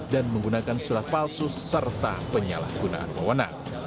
dan menggunakan surat palsu serta penyalahgunaan wawana